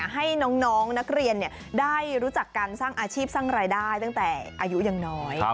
ให้น้องนักเรียนได้รู้จักการสร้างอาชีพสร้างรายได้ตั้งแต่อายุยังน้อย